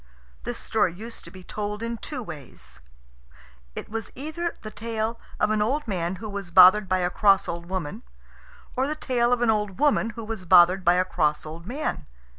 This story used to be told in two ways. It was either the tale of an old man who was bothered by a cross old woman, or the tale of an old woman who was bothered by a cross old man.